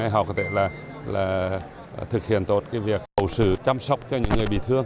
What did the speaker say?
họ có thể thực hiện tốt việc hậu sử chăm sóc cho những người bị thương